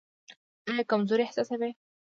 ایا کمزوري احساسوئ؟